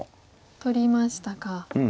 取りましたか。